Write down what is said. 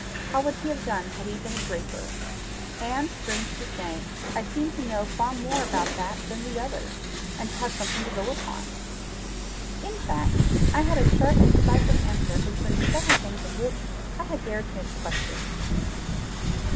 How would he have done had he been a draper? And, strange to say, I seemed to know far more about that than the other, and to have something to go upon. In fact I had a sharp and decisive answer concerning several things of which I had dared to make a question."